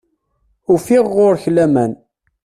Ufiɣ ɣur-k laman.